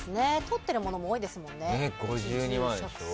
通ってるものも多いですもんね。